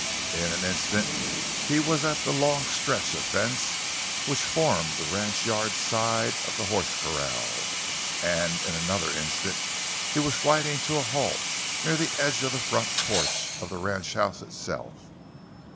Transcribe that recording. In an instant he was at the long stretch of fence which formed the ranchyard side of the horse corral, and in another instant he was sliding to a halt near the edge of the front porch of the ranchhouse itself.